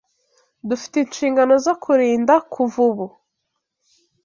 Dufite inshingano zo kurinda kuva ubu.